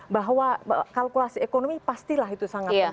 bahwa kalkulasi ekonomi pastilah itu sangat penting diantara kita